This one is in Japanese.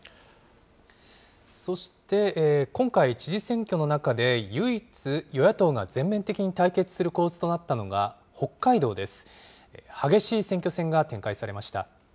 そして今回、知事選挙の中で唯一、与野党が全面的に対決する構図となったのが北海道です。